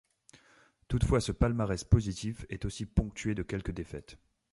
Toutefois, ce palmarès positif est aussi ponctué de quelques défaites.